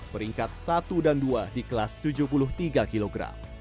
peringkat satu dan dua di kelas tujuh puluh tiga kg